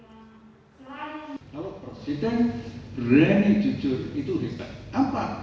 kalau presiden berani jujur itu riset apa